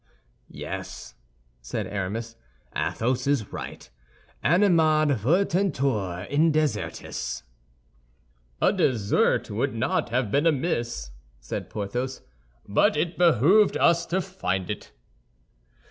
"Yes," said Aramis, "Athos is right: Animadvertuntur in desertis." "A desert would not have been amiss," said Porthos; "but it behooved us to find it."